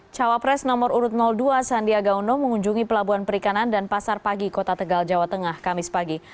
cawapres nomor urut dua sandiaga uno mengunjungi pelabuhan perikanan dan pasar pagi kota tegal jawa tengah kamis pagi